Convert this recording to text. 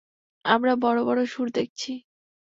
আমরা বড় বড় শুঁড় দেখেছি!